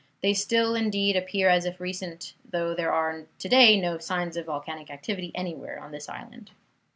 They still, indeed, appear as if recent, though there are to day no signs of volcanic activity anywhere on this island.